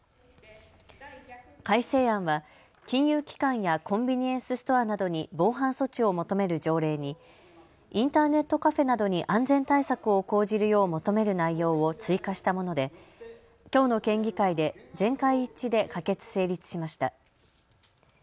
改正案は金融機関やコンビニエンスストアなどに防犯措置を求める条例にインターネットカフェなどに安全対策を講じるよう求める内容を追加したものできょうの県議会で全会一致で可決・成立しました。